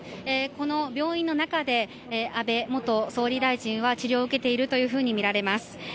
この病院の中で安倍元総理大臣は治療を受けているとみられます。